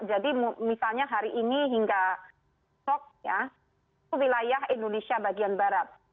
jadi misalnya hari ini hingga sok ya itu wilayah indonesia bagian barat